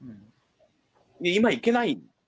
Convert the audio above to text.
今行けない。